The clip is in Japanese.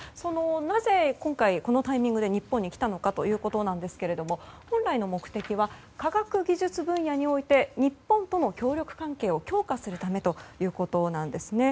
なぜこのタイミングで日本に来たのかということですけれども本来の目的は科学技術分野において日本との協力関係を強化するためということなんですね。